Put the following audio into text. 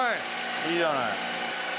いいじゃない。